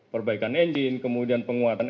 perbaikan engine kemudian penguatan